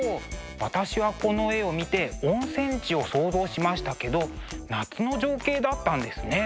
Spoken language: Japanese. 私はこの絵を見て温泉地を想像しましたけど夏の情景だったんですね。